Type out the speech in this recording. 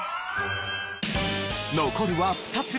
残るは２つ。